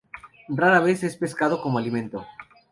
Rara vez es pescado como alimento.